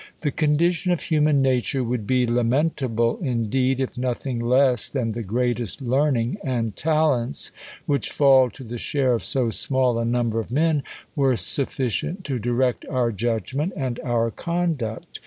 The condition of human nature would be lamenta* ble indeed, if nothing less than the greatest learning and talents, which fall to the share of so small a num ber of m«n, were sufficient to direct our judgment and our 166 THE COLUMBIAN ORATOR. our conduct.